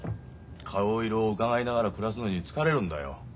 顔色をうかがいながら暮らすのに疲れるんだよ。